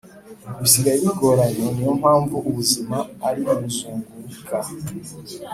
Bisigaye bigoranye niyompamvu ubuzima ari muzunguruka